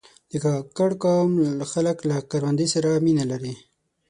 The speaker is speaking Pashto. د کاکړ قوم خلک له کروندې سره مینه لري.